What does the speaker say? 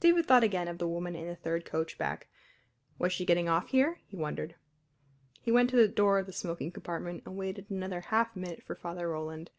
David thought again of the woman in the third coach back. Was she getting off here, he wondered? He went to the door of the smoking compartment and waited another half minute for Father Roland.